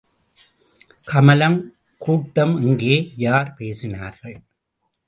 கமலம் கூட்டம் எங்கே, யார் பேசினார்கள்?